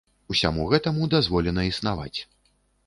Усяму гэтаму дазволена існаваць.